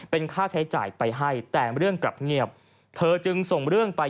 เป็นค่าใช้จ่ายไปให้แต่เรื่องกลับเงียบเธอจึงส่งเรื่องไป